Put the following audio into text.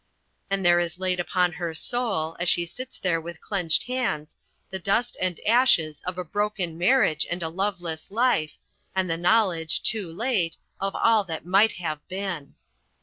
And there is laid upon her soul, as she sits there with clenched hands, the dust and ashes of a broken marriage and a loveless life, and the knowledge, too late, of all that might have been.